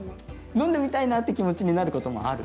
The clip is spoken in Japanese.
飲んでみたいなって気持ちになったこともある？